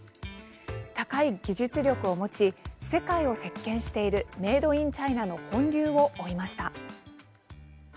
高い技術力を持ち世界を席巻しているメイドインチャイナの奔流を追いました。